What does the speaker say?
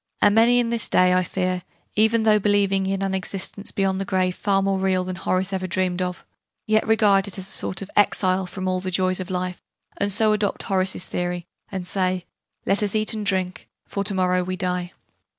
And many in this day, I fear, even though believing in an existence beyond the grave far more real than Horace ever dreamed of, yet regard it as a sort of 'exile' from all the joys of life, and so adopt Horace's theory, and say 'let us eat and drink, for to morrow we die.'